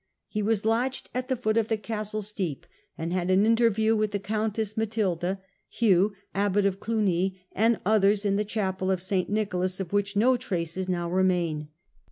He was lodged at the foot of the castle steep, and had an interview with the countess Matilda, Hugh, abbot of Clugny, and others, in the chapel of St. Nicolas, of which no traces now remain.